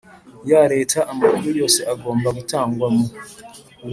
ya Leta Amakuru yose agomba gutangwa mu